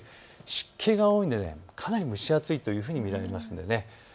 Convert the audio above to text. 湿気が多いのでかなり蒸し暑いというふうに見られます。